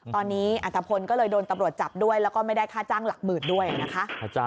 ตอนนี้อัตภพลก็เลยโดนตำรวจจับด้วยแล้วก็ไม่ได้ค่าจ้างหลักหมื่นด้วยนะคะ